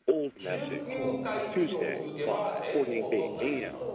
１９回以上続けば成功となります。